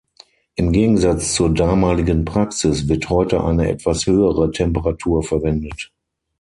Im Gegensatz zur damaligen Praxis wird heute eine etwas höhere Temperatur verwendet.